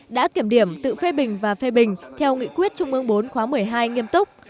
đã kiểm điểm tự phê bình và phê bình theo nghị quyết trung ương bốn khóa một mươi hai nghiêm túc